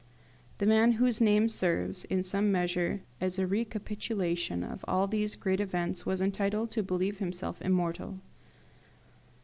The man whose name serves, in some measure, as a recapitulation of all these great events was entitled to believe himself immortal.